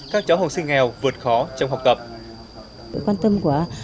các cháu học sinh nghèo vượt khó trong học tập quá